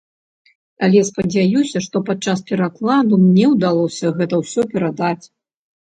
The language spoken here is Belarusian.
Але спадзяюся, што падчас перакладу мне ўдалося гэта ўсё перадаць.